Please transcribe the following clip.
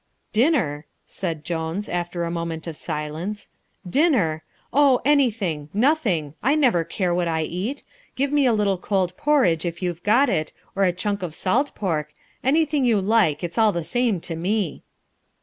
"Dinner!" said Jones, after a moment of silence, "dinner! Oh, anything, nothing I never care what I eat give me a little cold porridge, if you've got it, or a chunk of salt pork anything you like, it's all the same to me."